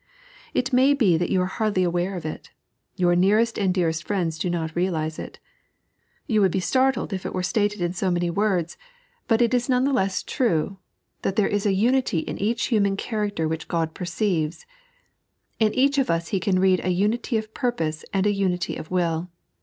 It may be that you are hardly aware of it ; your nearest and dearest friends do not realize it. You would be startled if it were atated in so many words, but it 3.n.iized by Google The Lksson op the Eye. 147 is none the less true, that there is a unity in each human (^loracter which Qod perceives. In each of us He can read a unity of purpose and a unity of will.